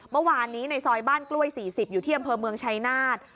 เมื่อวานนี้ในซอยบ้านกล้วย๔๐อยู่ที่อำเภอเมืองชายนาฏ